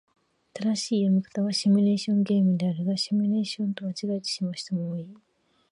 正しい読み方はシミュレーションゲームであるが、シュミレーションと間違えてしまう人も多い。